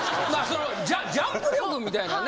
ジャンプ力みたいなね。